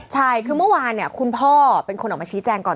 ใช่คือเมื่อวานเนี่ยคุณพ่อเป็นคนออกมาชี้แจงก่อน